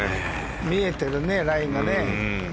見えてるね、ラインがね。